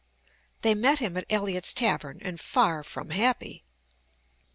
They met him at Elliott's tavern and far from happy.